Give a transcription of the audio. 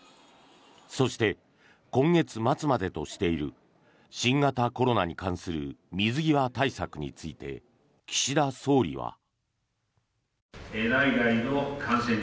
そして、今月末までとしている新型コロナに関する水際対策について岸田総理は。